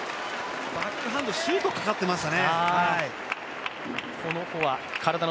バックハンドシュートかかってましたね。